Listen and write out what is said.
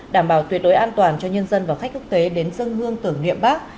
đảm bảo tuyệt đối an toàn cho nhân dân và khách quốc tế đến dân hương tưởng niệm bắc